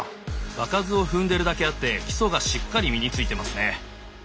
場数を踏んでるだけあって基礎がしっかり身に付いてますね。